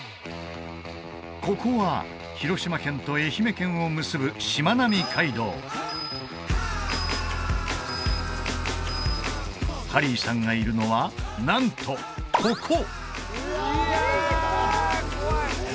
ここは広島県と愛媛県を結ぶしまなみ海道ハリーさんがいるのはなんとここ！